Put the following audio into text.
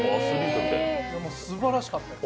すばらしかったです。